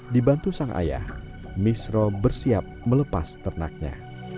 dibantu sang ayah misro bersiap melepas ternaknya